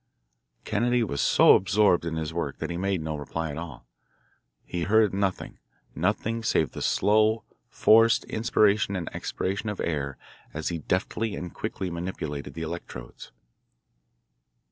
Kennedy was so absorbed in his work that he made no reply at all. He heard nothing, nothing save the slow, forced inspiration and expiration of air as he deftly and quickly manipulated the electrodes.